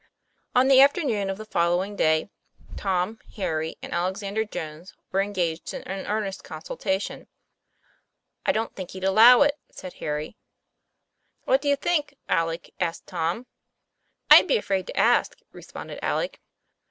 ON the afternoon of the following day, Tom, Harry, and Alexander Jones were engaged in an earnest consultation. "I don't think he'd allow it," said Harry. "What do you think, Alec?" asked Tom. 'I'd be afraid to ask," responded Alec.